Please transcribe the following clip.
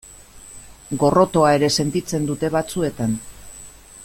Gorrotoa ere sentitzen dute batzuetan.